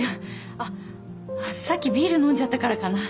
あっさっきビール飲んじゃったからかな。